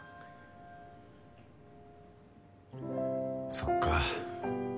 そっか。